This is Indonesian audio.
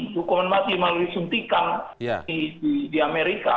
hukuman mati melalui suntikan di amerika